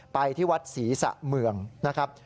ไปที่วัดศรีสะเมืองนะครับ